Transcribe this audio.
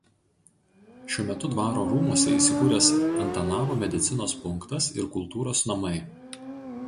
Šiuo metu dvaro rūmuose įsikūręs Antanavo medicinos punktas ir kultūros namai.